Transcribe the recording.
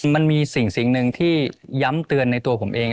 มันมีสิ่งหนึ่งที่ย้ำเตือนในตัวผมเอง